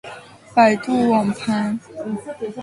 拾光坞云盘已经打通了百度网盘互传